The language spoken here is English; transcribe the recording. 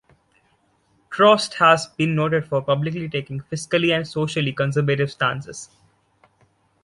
Trost has been noted for publicly taking fiscally and socially conservative stances.